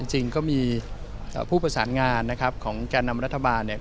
จริงก็มีผู้ประสานงานนะครับของแก่นำรัฐบาลเนี่ย